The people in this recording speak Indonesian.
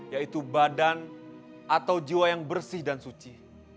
yaitu badan atau jiwa yang bersih dan suci